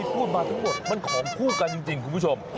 พูดมาทั้งหมดมันของคู่กันจริงคุณผู้ชม